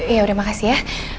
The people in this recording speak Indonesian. ya udah makasih ya